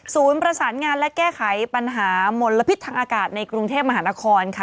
ประสานงานและแก้ไขปัญหามลพิษทางอากาศในกรุงเทพมหานครค่ะ